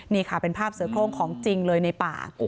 นี่ค่ะเป็นภาพเสือโครงของจริงเลยในป่า